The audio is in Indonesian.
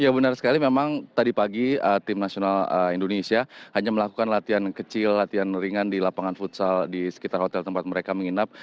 ya benar sekali memang tadi pagi tim nasional indonesia hanya melakukan latihan kecil latihan ringan di lapangan futsal di sekitar hotel tempat mereka menginap